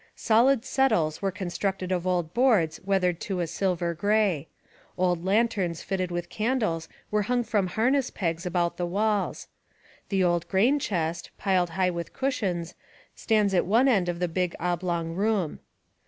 Solid settles were constructed of old boards weathered to a silver gray. Old lanterns fitted with candles were hung from harness pegs about the walls. The old grain chest, piled high with cushions, stands at one end of the big oblong room.